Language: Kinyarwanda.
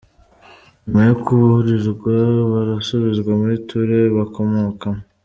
Nyuma yo kubarurwa barasubizwa mu Turere bakomokamo.